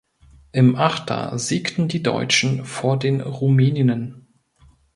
Im Achter siegten die Deutschen vor den Rumäninnen.